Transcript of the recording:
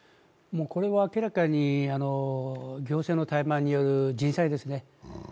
これは明らかに、行政の怠慢による人災ですね。